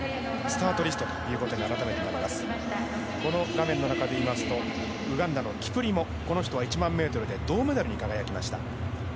画面の中で言いますとウガンダのキプリモは１００００ｍは銅メダルに輝きました。